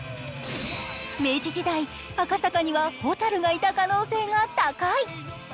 明治時代、赤坂にはほたるがいた可能性が高い。